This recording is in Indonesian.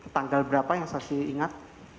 tanggal berapa yang saksi ingat